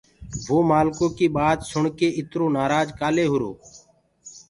وو مآلکو ڪي ٻآت سُڻ ڪي اِتر نآرآج ڪآلي هوُرو۔